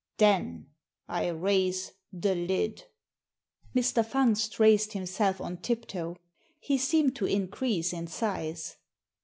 Then I raise the lid." Mr. Fungst raised himself on tiptoe. He seemed to increase in size.